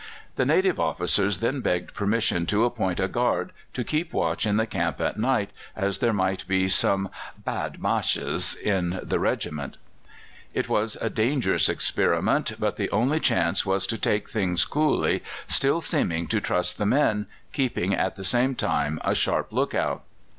The native officers then begged permission to appoint a guard to keep watch in the camp at night, as there might be some badmashes in the regiment. It was a dangerous experiment, but the only chance was to take things coolly, still seeming to trust the men, keeping at the same time a sharp look out.